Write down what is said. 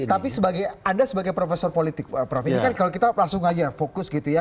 tapi anda sebagai profesor politik prof ini kan kalau kita langsung aja fokus gitu ya